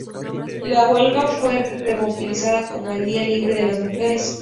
La huelga fue rebautizada como ""El día libre de las mujeres"".